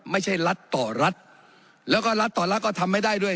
ไม่ใช่รัฐต่อรัฐแล้วก็รัฐต่อรัฐก็ทำไม่ได้ด้วย